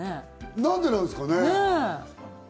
なんでなんですかね？